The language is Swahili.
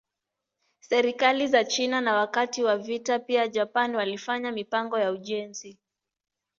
Serikali za China na wakati wa vita pia Japan walifanya mipango ya ujenzi.